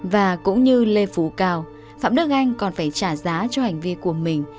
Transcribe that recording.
và cũng như lê phú cao phạm đức anh còn phải trả giá cho hành vi của mình